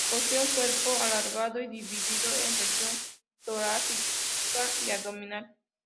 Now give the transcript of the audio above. Poseen un cuerpo alargado y dividido en región torácica y abdominal.